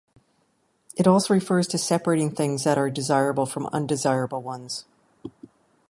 It also refers to separating things that are desirable from undesirable ones.